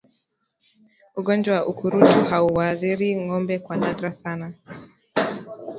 Ugonjwa wa ukurutu hauwaathiri ngombe kwa nadra sana